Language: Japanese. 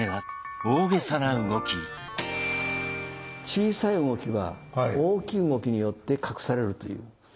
小さい動きは大きい動きによって隠されるという。